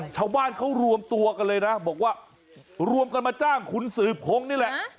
ชาวบ้านเขารวมตัวกันเลยนะบอกว่ารวมกันมาจ้างคุณสืบพงศ์นี่แหละ